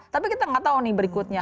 tapi kita nggak tahu nih berikutnya